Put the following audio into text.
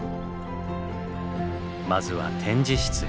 まずは展示室へ。